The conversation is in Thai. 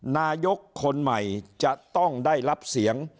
นายกคนใหม่จะต้องได้รับเสียง